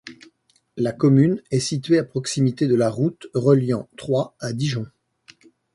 La commune est située à proximité de la route reliant Troyes à Dijon.